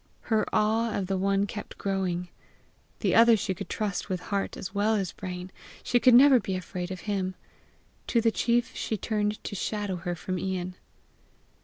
Her awe of the one kept growing; the other she could trust with heart as well as brain; she could never be afraid of him! To the chief she turned to shadow her from Ian.